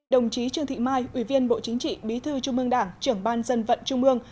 đồng chí trương thị mai ủy viên bộ chính trị bí thư trung ương đảng trưởng ban dân vận trung ương